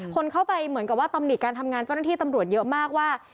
คนเข้าไปเหมือนกับว่าตำหนิการทำงานเจ้าหน้าที่ตำรวจเยอะมากว่า